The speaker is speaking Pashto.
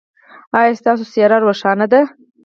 ایا ستاسو څیره روښانه ده؟